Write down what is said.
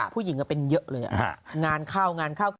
ผู้หญิงก็เป็นเยอะเลยงานเข้างานเข้า